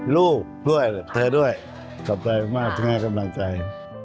ลูกเพื่อนเธอด้วยขอบใจมากทุกคนให้กำลังใจ